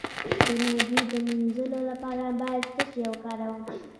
د معدې د مینځلو لپاره باید څه شی وکاروم؟